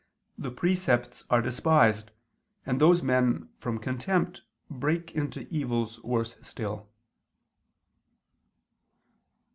the precepts are despised, and those men, from contempt, break into evils worse still.